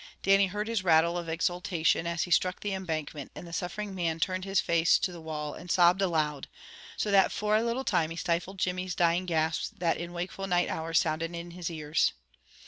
Dannie heard his rattle of exultation as he struck the embankment and the suffering man turned his face to the wall and sobbed aloud, so that for a little time he stifled Jimmy's dying gasps that in wakeful night hours sounded in his ears.